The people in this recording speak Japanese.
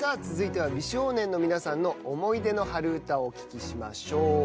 続いては美少年の皆さんの思い出の春うたをお聞きしましょう。